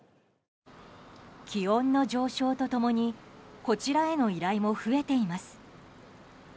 気温の上昇と共にこちらへの依頼も増えています。